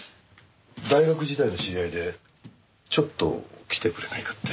大学時代の知り合いでちょっと来てくれないかって。